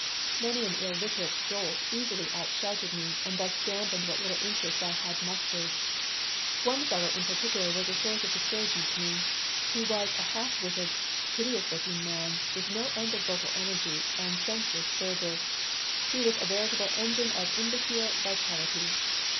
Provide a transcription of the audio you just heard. Many an illiterate dolt easily outshouted me and thus dampened what little interest I had mustered. One fellow in particular was a source of discouragement to me. He was a half witted, hideous looking man, with no end of vocal energy and senseless fervor. He was a veritable engine of imbecile vitality.